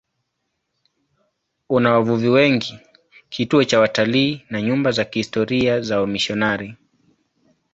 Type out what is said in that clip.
Una wavuvi wengi, kituo cha watalii na nyumba za kihistoria za wamisionari.